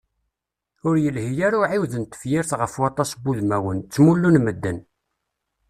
Ur yelhi ara uɛiwed n tefyirt ɣef waṭas n wudmawen, ttmullun medden.